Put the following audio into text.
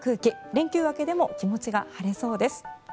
連休明けでも気持ちが晴れそうです。